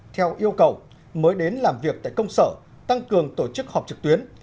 theo yêu cầu mới đến làm việc tại công sở tăng cường tổ chức họp trực tuyến